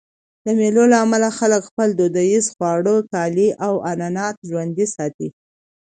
د مېلو له امله خلک خپل دودیز خواړه، کالي او عنعنات ژوندي ساتي.